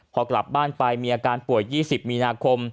พอกลับบ้านไปมีอาการป่วย๒๐มีนาคม